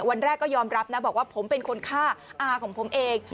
วันแรกก็ยอมรับนะบอกว่าผมเป็นคนฆ่าอาของผมเอง